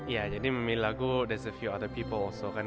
ya jadi memilih lagu ada beberapa orang lain